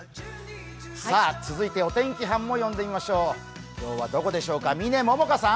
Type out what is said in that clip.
続いてお天気班も呼んでみましょう、嶺百花さん。